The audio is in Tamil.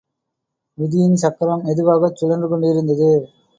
விதியின் சக்கரம் மெதுவாகச் சுழன்று கொண்டிருந்தது.